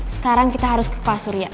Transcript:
sekarang kita harus ke pasurya